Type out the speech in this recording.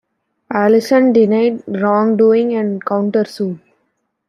Allyson denied wrongdoing and countersued.